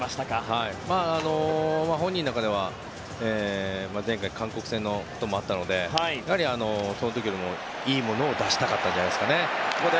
本人の中では前回、韓国戦のこともあったのでやはり、その時にもいいものを出したかったんじゃないですかね。